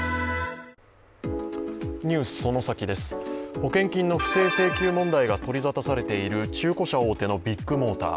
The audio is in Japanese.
保険金の不正請求問題が取り沙汰されている中古車大手のビッグモーター。